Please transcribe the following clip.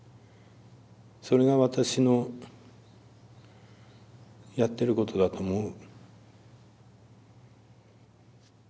それが私のやってることだと思う。